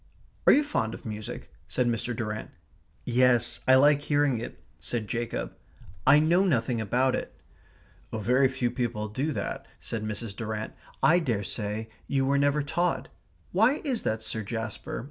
"Are you fond of music?" said Mr. Durrant. "Yes. I like hearing it," said Jacob. "I know nothing about it." "Very few people do that," said Mrs. Durrant. "I daresay you were never taught. Why is that, Sir Jasper?